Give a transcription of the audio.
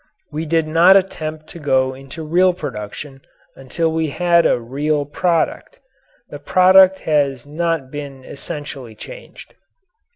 We did not attempt to go into real production until we had a real product. That product has not been essentially changed.